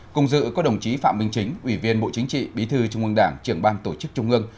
cùng dự có đồng chí phạm minh chính ủy viên bộ chính trị bí thư trung ương đảng trưởng ban tổ chức trung ương